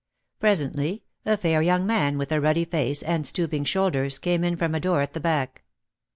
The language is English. Presently a fair young man with a ruddy face and stooping shoulders came in from a door at the back.